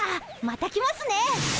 また来ますね！